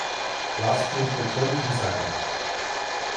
Laßt mich betrunken sein!